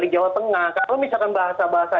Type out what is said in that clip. jawa tengah kalau misalkan bahasa bahasa